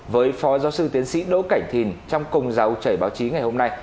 với phó giáo sư tiến sĩ đỗ cảnh thìn trong cùng dòng chảy báo chí ngày hôm nay